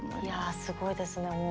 いやすごいですね